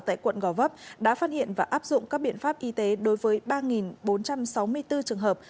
tại quận gò vấp đã phát hiện và áp dụng các biện pháp y tế đối với ba bốn trăm sáu mươi bốn trường hợp